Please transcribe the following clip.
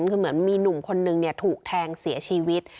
คือเหมือนมีหนุ่มคนนึงถูกแทงเสียชีวิต